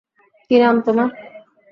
কী নাম তোমার?